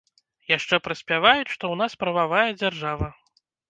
Яшчэ праспяваюць, што ў нас прававая дзяржава.